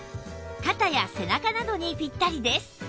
肩や背中などにぴったりです